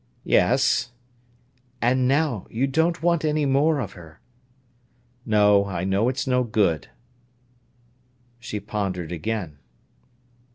"Yes." "And now you don't want any more of her?" "No. I know it's no good." She pondered again.